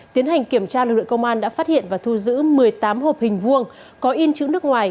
tiến hành kiểm tra lực lượng công an đã phát hiện và thu giữ một mươi tám hộp hình vuông có in chữ nước ngoài